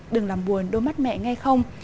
đừng làm buồn đôi mắt mẹ nghe không